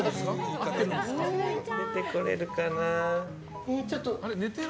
出てくれるかな。